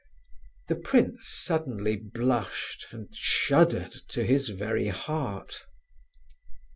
The prince suddenly blushed, and shuddered to his very heart.